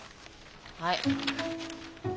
はい。